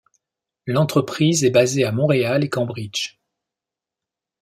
L'entreprise est basée à Montréal et Cambridge.